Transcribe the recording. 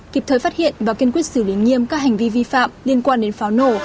kịp thời phát hiện và kiên quyết xử lý nghiêm các hành vi vi phạm liên quan đến pháo nổ